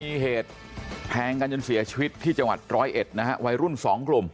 มีเหตุแทงกันจนเสียชีวิตที่จังหวัดร้อยเอ็ดนะฮะวัยรุ่นสองกลุ่ม